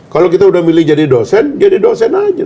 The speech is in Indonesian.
kalau kita udah milih jadi dosen jadi dosen aja